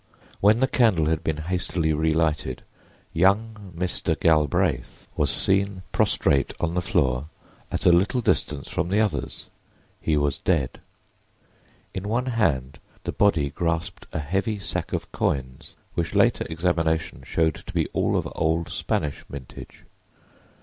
When the candle had been hastily relighted young Mr. Galbraith was seen prostrate on the floor at a little distance from the others. He was dead. In one hand the body grasped a heavy sack of coins, which later examination showed to be all of old Spanish mintage.